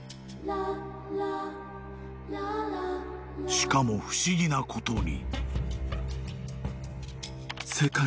［しかも不思議なことに］